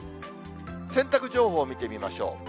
洗濯情報を見てみましょう。